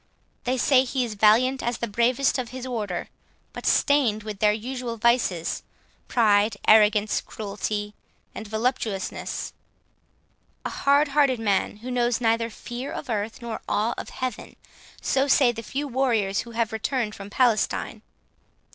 They say he is valiant as the bravest of his order; but stained with their usual vices, pride, arrogance, cruelty, and voluptuousness; a hard hearted man, who knows neither fear of earth, nor awe of heaven. So say the few warriors who have returned from Palestine.